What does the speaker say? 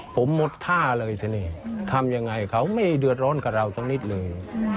ผมหมดท่าเลยทีนี้ทำยังไงเขาไม่เดือดร้อนกับเราสักนิดเลย